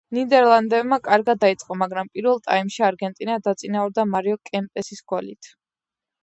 ნიდერლანდებმა კარგად დაიწყო, მაგრამ პირველ ტაიმში არგენტინა დაწინაურდა მარიო კემპესის გოლით.